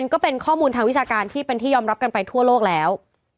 ก็เป็นข้อมูลทางวิชาการที่เป็นที่ยอมรับกันไปทั่วโลกแล้ว